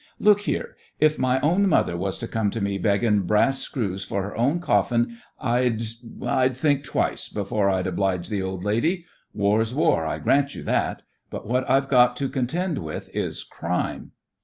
Look here! If my own mother was to come to me beggin' brass screws for her own coffin, I'd — I'd think twice before I'd obHge the old lady. War's war, I grant you that; but what I've got to con tend with is crime."